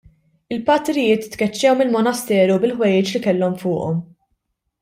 Il-patrijiet tkeċċew mill-monasteru bil-ħwejjeġ li kellhom fuqhom.